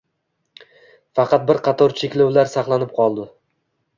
Faqat bir qator cheklovlar saqlanib qoldi.